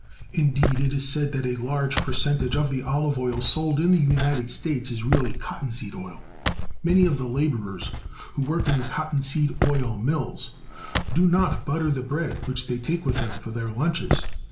Indeed, it is said that a large percentage of the olive oil sold in the United States is really cotton seed oil. Many of the laborers who work in the cotton seed oil mills do not butter the bread which they take with them for their lunches.